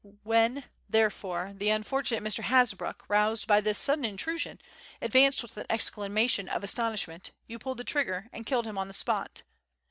When, therefore, the unfortunate Mr. Hasbrouck, roused by this sudden intrusion, advanced with an exclamation of astonishment, you pulled the trigger, and killed him on the spot.